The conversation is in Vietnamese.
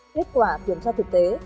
kết quả kiểm tra thực tế